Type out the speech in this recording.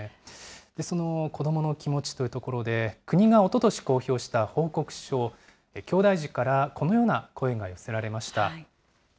その子どもの気持ちというところで、国がおととし公表した報告書、きょうだい児からこのような声が寄せられました。